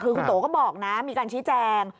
คือคุณโตก็บอกนะมีการชี้แจง